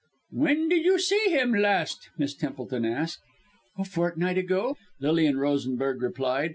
"When did you see him last?" Miss Templeton asked. "A fortnight ago," Lilian Rosenberg replied.